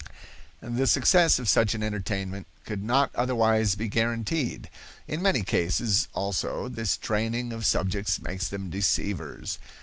The success of such an entertainment could not otherwise be guaranteed. In many cases, also, this training of subjects makes them deceivers.